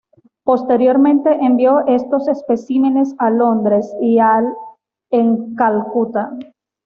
Posteriormente envió estos especímenes a Londres y al en Calcutta.